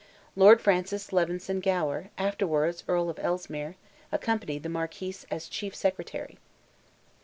Lord Francis Leveson Gower, afterwards Earl of Ellesmere, accompanied the Marquis as Chief Secretary.